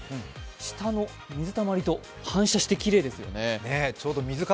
下の水たまりと反射してきれいです。